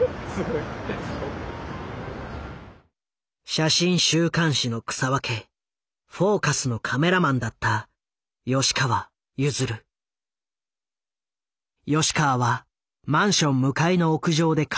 写真週刊誌の草分け「フォーカス」のカメラマンだった吉川はマンション向かいの屋上でカメラを構えた。